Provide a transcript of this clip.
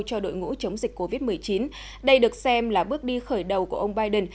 cho đội ngũ chống dịch covid một mươi chín đây được xem là bước đi khởi đầu của ông biden